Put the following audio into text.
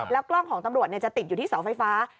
กล้องของตำรวจจะติดอยู่ที่เสาไฟฟ้า